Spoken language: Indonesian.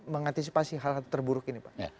mengantisipasi hal hal terburuk ini pak